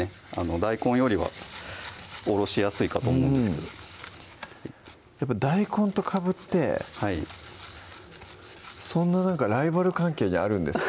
大根よりはおろしやすいかと思うんですけど大根とかぶってはいライバル関係にあるんですか？